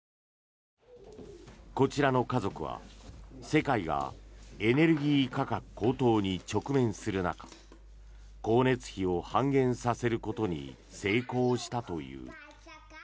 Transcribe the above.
こちらの家族は世界がエネルギー価格高騰に直面する中光熱費を半減させることに成功したという。